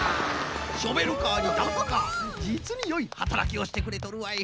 ショベルカーにダンプカーじつによいはたらきをしてくれとるわい。